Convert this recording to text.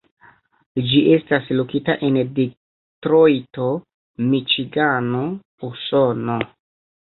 Ĝi estas lokita en Detrojto, Miĉigano, Usono.